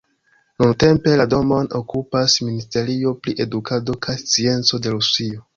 Nuntempe la domon okupas Ministerio pri edukado kaj scienco de Rusio.